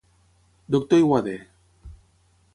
Doctor Aiguader.